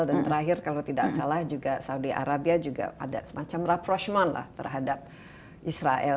dan terakhir kalau tidak salah juga saudi arabia juga ada semacam rapprochement lah terhadap israel